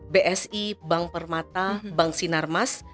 bsi bank permata bank sinarmas